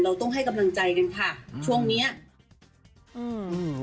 เราต้องให้กำลังใจกันค่ะช่วงนี้